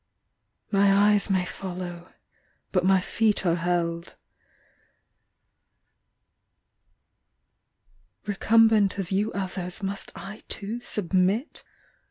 My eyes may follow but my feet are held. Recumbent as you others must I too Submit?